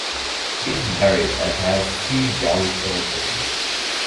He is married and has two young children.